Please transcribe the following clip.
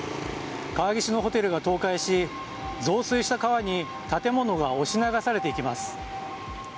川岸のホテルが倒壊し増水した川に建物が押し流されていきます。